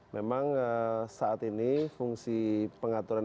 memang saat ini fungsi pengaturan